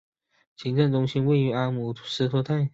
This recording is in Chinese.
行政中心位于阿姆施泰滕。